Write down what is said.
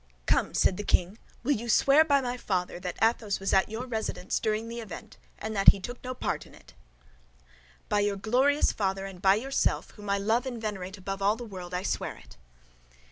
"Come," said the king, "will you swear, by my father, that Athos was at your residence during the event and that he took no part in it?" "By your glorious father, and by yourself, whom I love and venerate above all the world, I swear it."